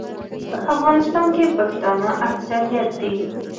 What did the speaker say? په افغانستان کې پښتانه اکثریت دي.